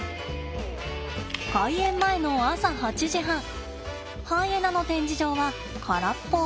開園前の朝８時半ハイエナの展示場は空っぽ。